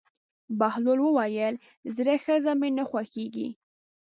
بهلول وویل: زړه ښځه مې نه خوښېږي.